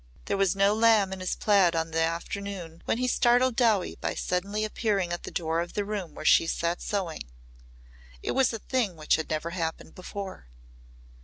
There was no lamb in his plaid on the afternoon when he startled Dowie by suddenly appearing at the door of the room where she sat sewing It was a thing which had never happened before.